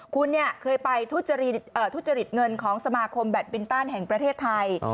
คุณเคยไปทุจริตเงินของสมาคมแบตบินตันแห่งประเทศไทย